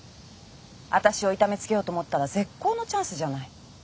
私を痛めつけようと思ったら絶好のチャンスじゃない。